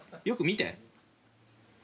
よく見て？